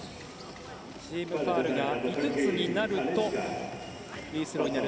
チームファウルが５つになるとフリースローになる。